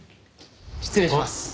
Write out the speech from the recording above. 失礼します。